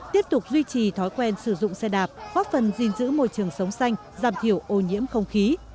tiếp tục duy trì thói quen sử dụng xe đạp góp phần gìn giữ môi trường sống xanh giảm thiểu ô nhiễm không khí